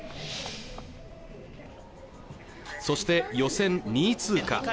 そして予選２位通過